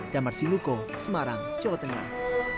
damar siluko semarang jawa tenggara